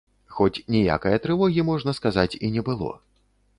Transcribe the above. Хоць ніякае трывогі, можна сказаць, і не было.